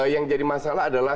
yang jadi masalah adalah